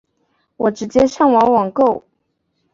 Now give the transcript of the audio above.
我直接上网网购